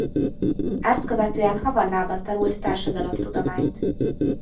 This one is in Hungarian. Ezt követően Havannában tanult társadalomtudományt.